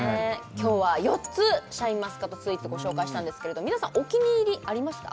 今日は４つシャインマスカットスイーツご紹介したんですけれども皆さんお気に入りありました？